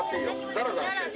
ザラザラしてる！